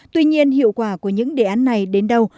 tuy nhiên hiệu quả của những đề án này đến đâu